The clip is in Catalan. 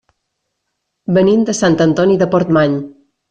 Venim de Sant Antoni de Portmany.